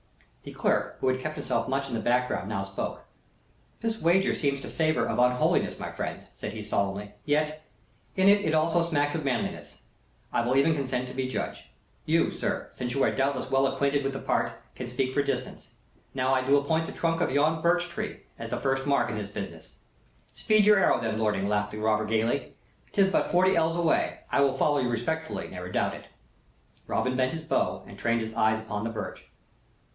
The clerk, who had kept himself much in the background, now spoke. "This wager seems to savor of unholiness, friends," said he, solemnly. "Yet, in that it also smacks of manliness, I will even consent to be judge. You, sir, since you are doubtless well acquainted with the part, can speak for distance. Now, I do appoint the trunk of yon birch tree as first mark in this business." "Speed your arrow, then, lording," laughed the robber, gaily. "'Tis but forty ells away! I will follow you respectfully, never doubt it." Robin bent his bow and trained his eyes upon the birch.